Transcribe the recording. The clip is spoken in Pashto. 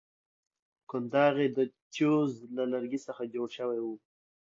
کنداغ یې د جوز له لرګي څخه جوړ شوی وو.